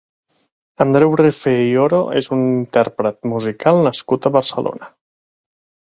Andreu Rifé i Oro és un intérpret musical nascut a Barcelona.